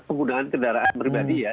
penggunaan kendaraan pribadi ya